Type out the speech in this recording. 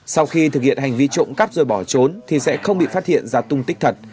sau khi thực hiện hành vi trộm cắp rồi bỏ trốn thì sẽ không bị phát hiện ra tung tích thật